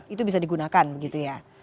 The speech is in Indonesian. itu bisa digunakan begitu ya